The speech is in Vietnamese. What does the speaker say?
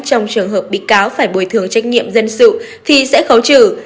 trong trường hợp bị cáo phải bồi thường trách nhiệm dân sự thì sẽ khấu trừ